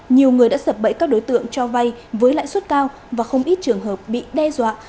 nhiều người đã sập bẫy các đối tượng cho vay với lãi suất cao và không ít trường hợp bị đe dọa